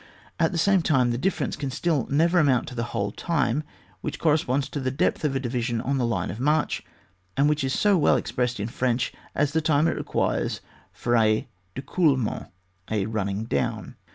At the same time this difference can still never amount to the whole time, which corresponds to the depth of a division on the line of march, and which is so weU ex pressed in French, as the time it requires for its decoulement (nmning down).